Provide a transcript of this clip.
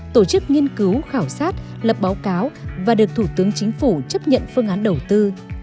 tổ chức nghiên cứu khảo sát lập báo cáo và được thủ tướng chính phủ chấp nhận phương án đầu tư